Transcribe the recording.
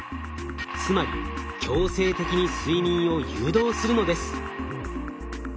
つまり強制的に睡眠を誘導するのです。